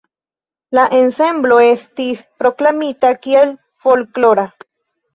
La ensemblo estis proklamita kiel folklora.